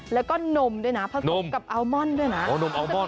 และก็นมด้วยนะผสมกับอัลมอนด์ด้วยนะอ๋อนมอัลมอนด์